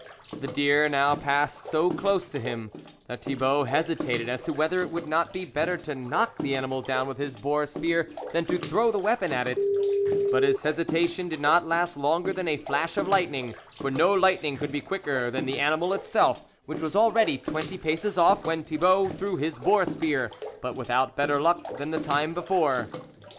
The deer now passed so close to him, that Thibault hesitated as to whether it would not be better to knock the animal down with his boar spear than to throw the weapon at it ; but his hesitation did not last longer than a flash of lightning, for no lightning could be quicker than the animal itself, which was already twenty paces off when Thibault threw his boar spear, but without better luck than the time before.